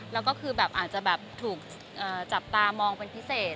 แล้วก็คือแบบอาจจะแบบถูกจับตามองเป็นพิเศษ